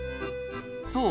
そう。